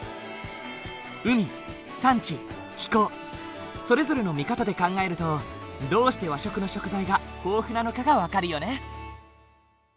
海山地気候それぞれの見方で考えるとどうして和食の食材が豊富なのかが分かるよね。